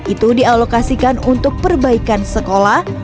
itu dialokasikan untuk perbaikan sekolah